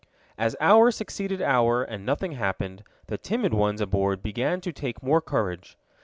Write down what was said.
As hour succeeded hour and nothing happened, the timid ones aboard began to take more courage.